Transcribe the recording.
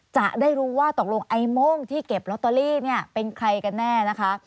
จะได้รู้ว่าตกลงไอ้โม่งที่เก็บลอตเตอรี่เนี่ยเป็นใครกันแน่นะคะ